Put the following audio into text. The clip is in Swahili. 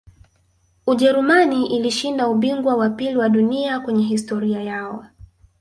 ujerumani ilishinda ubingwa wa pili wa dunia kwenye historia yao